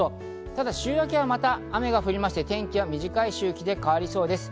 ただ週明けはまた雨が降りまして天気は短い周期で変わりそうです。